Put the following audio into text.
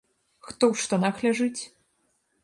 Хто ў штанах ляжыць?